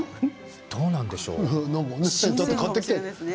どうなんでしょう。